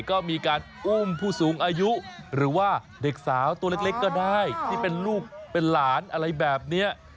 ก็มีการอุ้มผู้สูงอายุหรือว่าเด็กสาวตัวเล็กก็ได้ที่เป็นลูกเป็นหลานอะไรแบบนี้